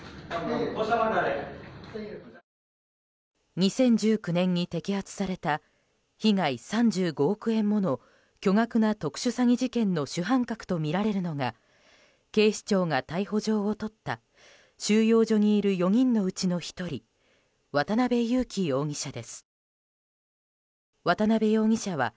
２０１９年に摘発された被害３５億円もの巨額な特殊詐欺事件の主犯格とみられるのが警視庁が逮捕状をとった収容所にいる４人のうちの１人渡邉優樹容疑者です。